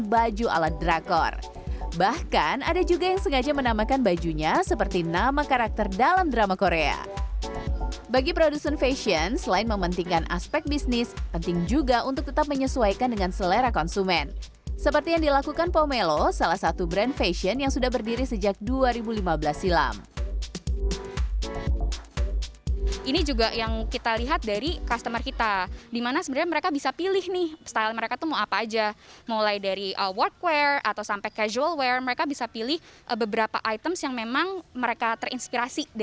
bagaimana situasi ini